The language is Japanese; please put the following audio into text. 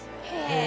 へえ。